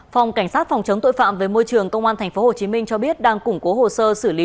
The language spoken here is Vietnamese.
phòng cảnh sát phòng chống tội phạm về môi trường công an tp hcm cho biết đang củng cố hồ sơ xử lý